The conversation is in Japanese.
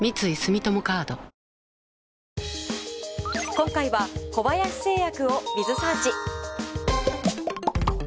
今回は小林製薬を。